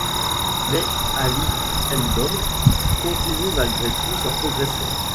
Mais Aly Ndom continue malgré tout, sa progression.